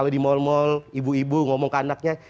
di mal mal ibu ibu ngomong ke anaknya